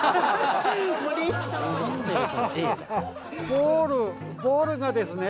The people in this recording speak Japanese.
ボールボールがですね。